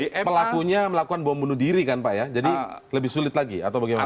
pelakunya melakukan bom bunuh diri kan pak ya jadi lebih sulit lagi atau bagaimana